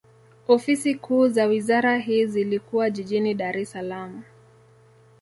Ofisi kuu za wizara hii zilikuwa jijini Dar es Salaam.